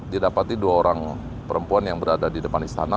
didapati dua orang perempuan yang berada di depan istana